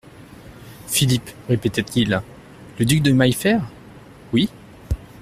Philippe, répéta-t-il, le duc de Maillefert ?… Oui.